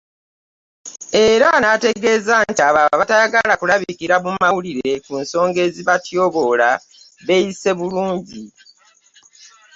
Era n'ategeeza nti abo abatayagala kulabikira mu mawulire ku nsonga ezibatyoboola, beeyise bulungi.